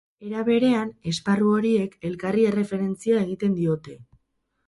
Era berean, esparru horiek elkarri erreferentzia egiten diote.